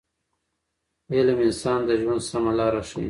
علم انسان ته د ژوند سمه لاره ښیي.